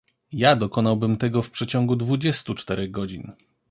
"Ja dokonałbym tego w przeciągu dwudziestu czterech godzin."